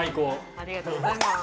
ありがとうございます。